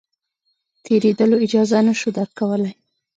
تېرېدلو اجازه نه شو درکولای.